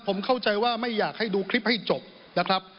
ผมเข้าใจว่าไม่อยากให้ดูคลิปให้จบนะครับ